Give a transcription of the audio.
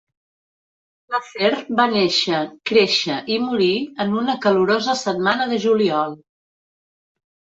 L'afer va néixer, créixer i morir en una calorosa setmana de juliol.